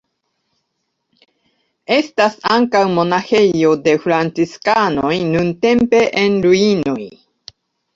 Estas ankaŭ monaĥejo de franciskanoj nuntempe en ruinoj.